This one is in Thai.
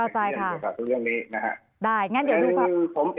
ฉันเองผมต้องรอฝัก